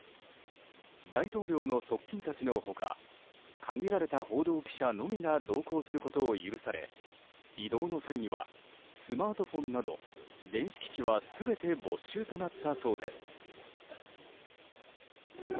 大統領の側近たちの他限られた報道記者のみが同行することを許され移動の際にはスマートフォンなど電子機器は全て没収となったそうです。